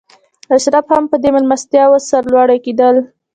اشراف هم په دې مېلمستیاوو سرلوړي کېدل.